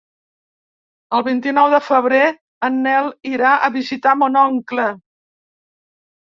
El vint-i-nou de febrer en Nel irà a visitar mon oncle.